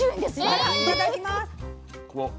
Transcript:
あらいただきます。